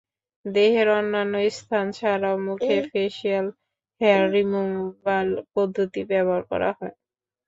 দেহের অন্যান্য স্থান ছাড়াও মুখে ফেশিয়াল হেয়ার রিমুভাল পদ্ধতি ব্যবহার করা হয়।